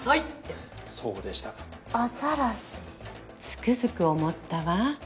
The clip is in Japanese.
つくづく思ったわ。